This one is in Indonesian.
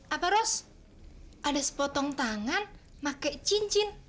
apa ros ada sepotong tangan pakai cincin